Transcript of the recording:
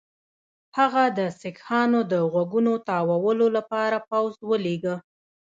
هغه د سیکهانو د غوږونو تاوولو لپاره پوځ ولېږه.